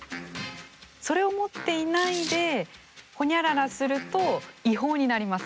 それを持っていないでホニャララすると違法になります。